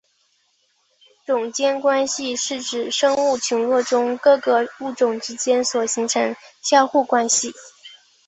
种间关系是指生物群落中各个物种之间所形成相互关系。